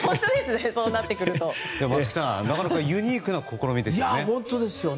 松木さん、なかなかユニークな試みですよね。